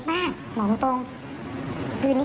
ก็ไม่รู้ว่าฟ้าจะระแวงพอพานหรือเปล่า